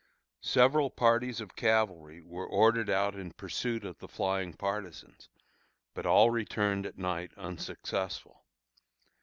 Several parties of cavalry were ordered out in pursuit of the flying partisans, but all returned at night unsuccessful.